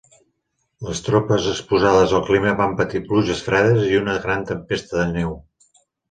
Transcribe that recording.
Les tropes exposades al clima van patir pluges fredes i una gran tempesta de neu.